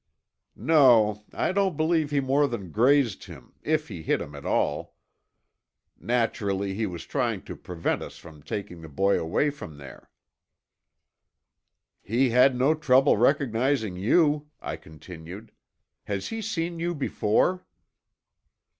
"No, I don't believe he more than grazed him, if he hit him at all. Naturally he was trying to prevent us from taking the boy away from there." "He had no trouble recognizing you," I continued. "Has he seen you before?"